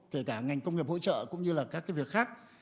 kể cả ngành công nghiệp hỗ trợ cũng như là các việc khác